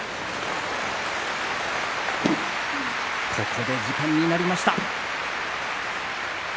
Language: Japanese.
ここで時間になりました。